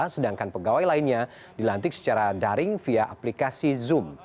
sedangkan pegawai lainnya dilantik secara daring via aplikasi zoom